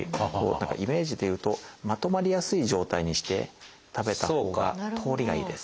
イメージでいうとまとまりやすい状態にして食べたほうが通りがいいです。